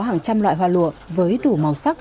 hàng trăm loại hoa lụa với đủ màu sắc